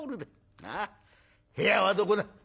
なあ部屋はどこだ？」。